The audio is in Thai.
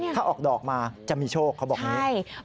ถ้าออกดอกมาจะมีโชคเขาบอกอย่างนี้